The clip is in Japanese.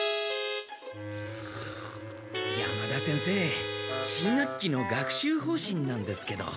山田先生新学期の学習方針なんですけど。